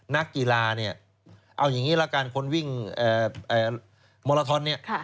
นักกีฬาเนี่ยเอาอย่างนี้ละกันคนวิ่งโมราทอนเนี่ย